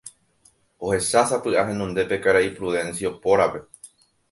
ohechásapy'a henondépe karai Prudencio pórape